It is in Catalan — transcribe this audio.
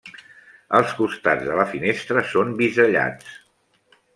Els costats de la finestra són bisellats.